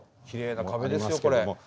きれいな壁ですよこれ。